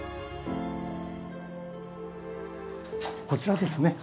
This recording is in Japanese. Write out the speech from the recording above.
こちらですね。